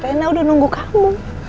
rena udah nunggu kamu